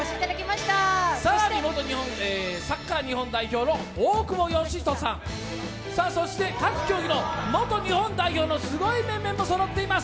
更に元サッカー日本代表の大久保嘉人さん、そして各競技の元日本代表のすごい面々もそろっています。